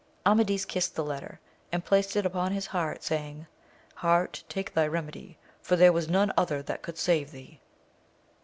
Amadis kissed the letter, and placed it upon his heart, saying. Heart, take thy remedy, for there was none other that could save thee